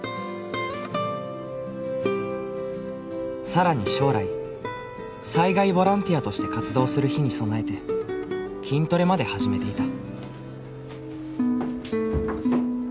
更に将来災害ボランティアとして活動する日に備えて筋トレまで始めていた。